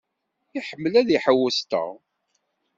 Iḥemmel ad iḥewwes Tom.